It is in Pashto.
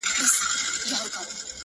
پر نوزادو ارمانونو؛ د سکروټو باران وينې؛